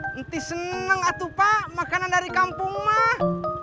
nanti seneng atuh pak makanan dari kampung mah